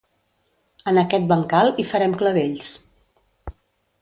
En aquest bancal hi farem clavells.